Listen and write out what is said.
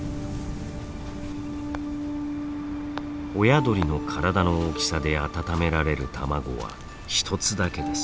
親鳥の体の大きさで温められる卵は１つだけです。